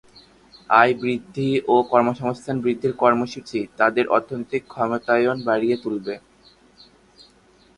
আয় বৃদ্ধি ও কর্মসংস্থান বৃদ্ধির কর্মসূচি, তাদের অর্থনৈতিক ক্ষমতায়ন বাড়িয়ে তুলবে।